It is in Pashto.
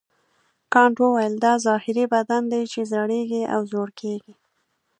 کانت وویل دا ظاهري بدن دی چې زړیږي او زوړ کیږي.